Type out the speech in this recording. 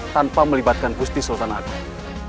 tanpa melibatkan gusti sultan agung